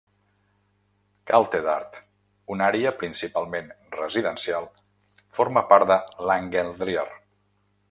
Kaltehardt, una àrea principalment residencial, forma part de Langendreer.